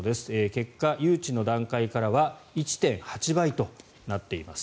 結果、誘致の段階からは１．８倍となっています。